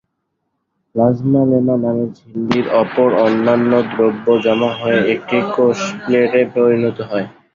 Plasmalemma নামের ঝিল্লির ওপর অন্যান্য দ্রব্য জমা হয়ে এটি কোষপ্লেটে পরিণত হয়।